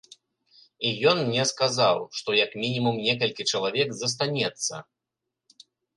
І ён мне сказаў, што як мінімум некалькі чалавек застанецца.